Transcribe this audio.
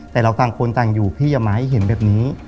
แต่เราต่างคนต่างอยู่พี่อย่ามาให้เห็นแบบนี้